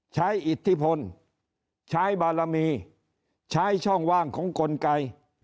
อิทธิพลใช้บารมีใช้ช่องว่างของกลไก